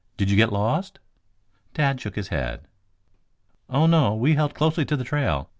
"Did you get lost?" Tad shook his head. "Oh, no; we held closely to the trail.